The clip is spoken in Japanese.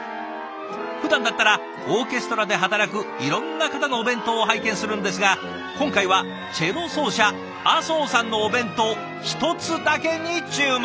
ふだんだったらオーケストラで働くいろんな方のお弁当を拝見するんですが今回はチェロ奏者阿相さんのお弁当１つだけに注目。